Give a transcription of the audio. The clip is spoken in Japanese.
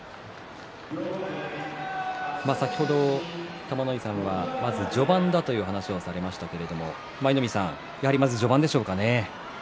先ほど玉ノ井さんはまず序盤だという話をされましたが舞の海さん、やはりまず序盤でしょうかね。